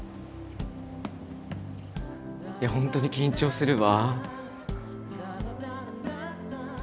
いや本当に緊張するわ。